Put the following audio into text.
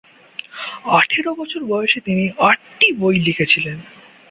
আঠারো বছর বয়সে তিনি আটটি বই লিখেছিলেন।